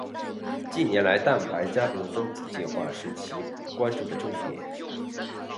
近年来蛋白家族分子进化是其关注的重点。